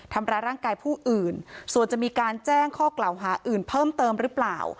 ทำร้ายร่างกายผู้อื่นส่วนจะมีการแจ้งข้อกล่าวหาอื่นเพิ่มเติมหรือเปล่า